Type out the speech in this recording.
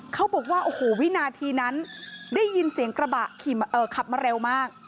เขาบอกว่าโอ้โหวินาทีนั้นได้ยินเสียงกระบะขับมาเร็วมาก